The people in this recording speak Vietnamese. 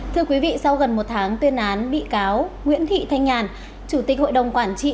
thưa quý vị sau gần một tháng tuyên án bị cáo nguyễn thị thanh nhàn chủ tịch hội đồng quản trị